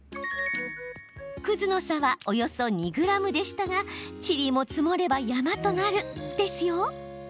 くずの差はおよそ２ｇでしたがちりも積もれば山となるですよ。